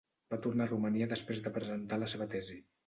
Va tornar a Romania després de presentar la seva tesi.